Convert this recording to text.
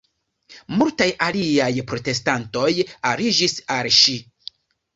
Multaj aliaj protestantoj aliĝis al ŝi.